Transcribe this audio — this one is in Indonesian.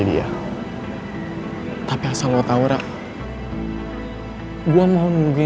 biar di lo udah peduli sama gue